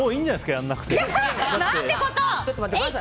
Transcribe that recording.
やらなくて。